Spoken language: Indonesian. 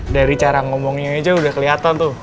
dari cara ngomongnya aja udah kelihatan tuh